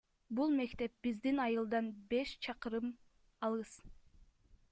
Бул мектеп биздин айылдан беш чакырым алыс.